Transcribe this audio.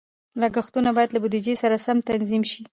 لګښتونه باید له بودیجې سره سم تنظیم شي.